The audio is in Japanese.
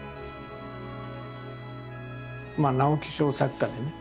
直木賞作家でね